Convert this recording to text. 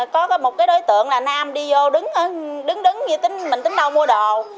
có một đối tượng là nam đi vô đứng đứng như mình tính đâu mua đồ